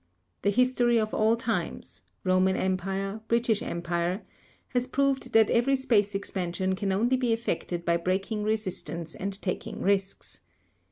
. The history of all times—Roman Empire, British Empire—has proved that every space expansion can only be effected by breaking resistance and taking risks.